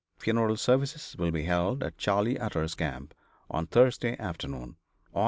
Funeral services will be held at Charley Utter's camp, on Thursday afternoon, Aug.